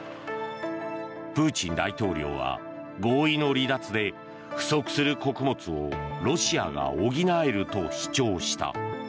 プーチン大統領は合意の離脱で不足する穀物をロシアが補えると主張した。